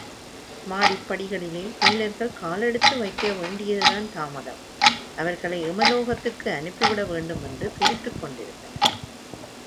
மாடிப்படிகளிலே பீலர்கள் காலெடுத்து வைக்கவேண்டியதுதான் தாமதம், அவர்களை எமலோகத்திற்கு அனுப்பிவிடவேண்டுமென்று துடித்துக்கொண்டிருந்தனர்.